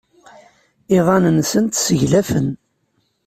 Iḍan-nsent sseglafen.